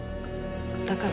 だから。